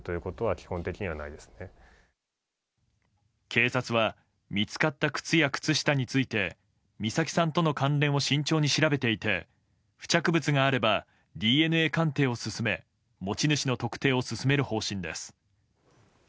警察は見つかった靴や靴下について美咲さんとの関連を慎重に調べていて付着物があればＤＮＡ鑑定を進め持ち主の特定を進める方針です。